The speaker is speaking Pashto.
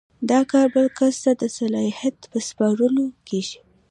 دا کار بل کس ته د صلاحیت په سپارلو کیږي.